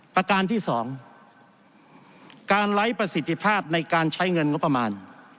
ประการที่๒การไร้ประสิทธิภาพในการใช้เงินงบประมาณ